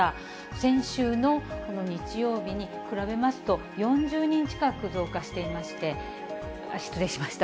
先週のこの日曜日に比べますと、４０人近く増加していまして、失礼しました。